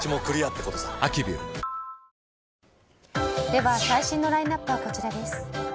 では最新のラインアップはこちらです。